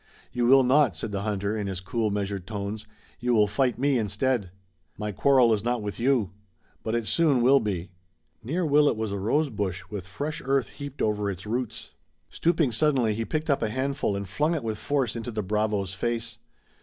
"You will not," said the hunter, in his cool, measured tones. "You will fight me, instead." "My quarrel is not with you." "But it soon will be." Near Willet was a rose bush with fresh earth heaped over its roots. Stooping suddenly he picked up a handful and flung it with force into the bravo's face.